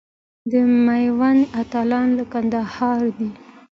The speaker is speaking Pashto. د میوند اتلان له کندهاره دي.